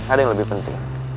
ada yang lebih penting